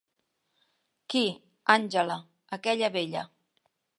Qui, Angela, aquella vella.